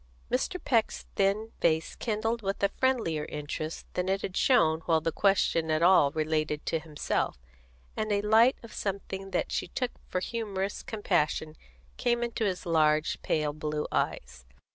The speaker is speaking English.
Mr. Peck's thin face kindled with a friendlier interest than it had shown while the question at all related to himself, and a light of something that she took for humorous compassion came into his large, pale blue eyes.